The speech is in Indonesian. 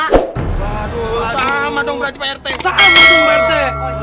kemaling saya sempet naro itu cermin antik di rumah saya kemalingan juga sama sama dong